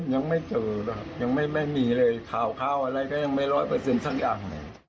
ยังไม่มีเลยข่าวอะไรก็ยังไม่๑๐๐สักอย่าง